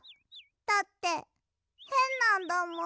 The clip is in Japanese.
だってへんなんだもん。